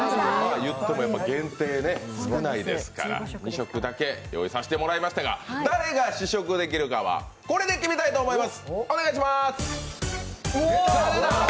言っても限定、少ないですから２食だけ用意させていただきましたが、誰が試食できるかはこれで決めたいと思います！